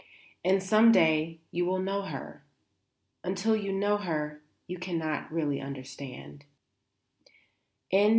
And some day you will know her. Until you know her you cannot really understand."